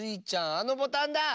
あのボタンだ！